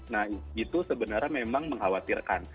nah itu sebenarnya memang mengkhawatirkan